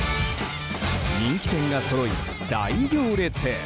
人気店がそろい、大行列。